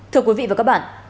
thưa quý vị và các bạn